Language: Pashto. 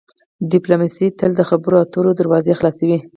ډیپلوماسي تل د خبرو اترو دروازې خلاصوي.